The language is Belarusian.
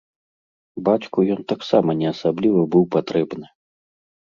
Бацьку ён таксама не асабліва быў патрэбны.